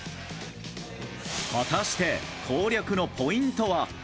果たして攻略のポイントは？